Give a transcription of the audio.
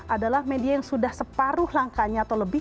adalah media yang sudah separuh langkahnya atau lebih